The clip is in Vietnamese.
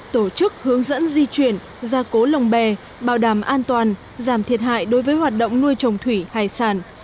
tổ chức hướng dẫn di chuyển gia cố lồng bè bảo đảm an toàn giảm thiệt hại đối với hoạt động nuôi trồng thủy hải sản